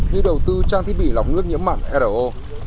như đầu tư trang thiết bị lọc nước nhiễm mặn ro